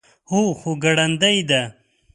هو، خو ګړندۍ ده